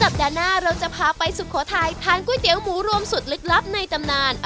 หน้าเราจะพาไปสุโขทัยทานก๋วยเตี๋ยหมูรวมสุดลึกลับในตำนาน